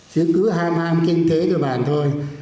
chứ cứ ham ham kinh tế cơ bản thôi